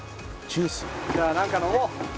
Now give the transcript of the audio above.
じゃあなんか飲もう。